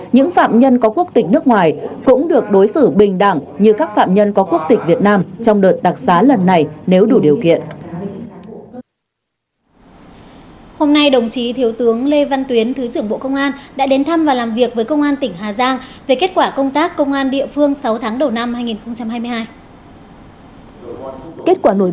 những phạm nhân có quốc tịch nước ngoài cũng được đối xử bình đẳng như các phạm nhân có quốc tịch việt nam trong đợt đặc sá lần này nếu đủ điều kiện